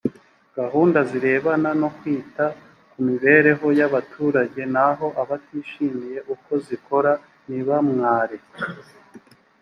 gahunda zirebana no kwita ku mibereho y’abaturage naho abatishimiye uko zikora nibamware